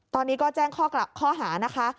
ตอนนี้ก็แจ้งข้อหานะคะ